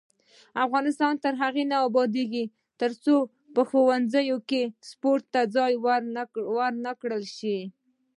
افغانستان تر هغو نه ابادیږي، ترڅو په ښوونځیو کې سپورت ته ځای ورکړل نشي.